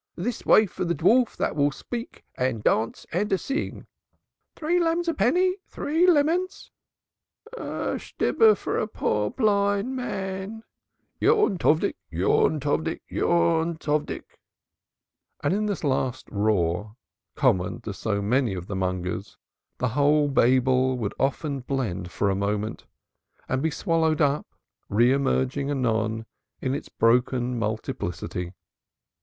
"This way for the dwarf that will speak, dance, and sing." "Tree lemons a penny. Tree lemons " "A Shtibbur (penny) for a poor blind man " "Yontovdik! Yontovdik! Yontovdik! Yontovdik!" And in this last roar, common to so many of the mongers, the whole Babel would often blend for a moment and be swallowed up, re emerging anon in its broken multiplicity.